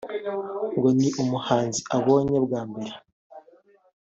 ngo ni umuhanzi abonye bwa mbere